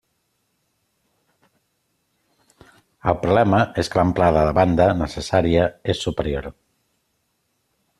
El problema és que l’amplada de banda necessària és superior.